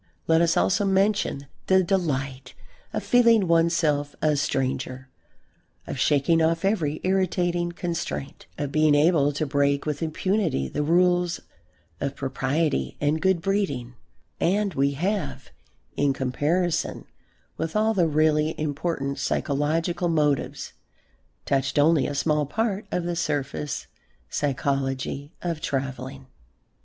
Let us also mention the delight of feeling oneself a stranger, of shaking off every irritating constraint, of being able to break with impunity the rules of propriety and good breeding, and we have, in comparison with all the really important psychological motives, touched only a small part of the surface psychology of travelling.